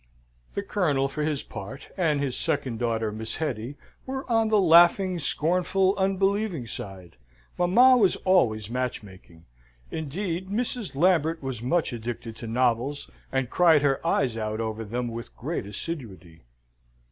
The Colonel for his part, and his second daughter, Miss Hetty, were on the laughing, scornful, unbelieving side. Mamma was always match making. Indeed, Mrs. Lambert was much addicted to novels, and cried her eyes out over them with great assiduity.